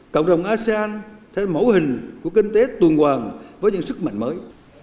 cộng đồng asean sẽ là mẫu hình của kinh tế tuần hoàng với những sức mạnh mới